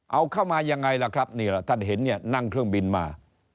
เอาเข้ามายังไงล่ะครับนี่แหละท่านเห็นเนี่ยนั่งเครื่องบินมา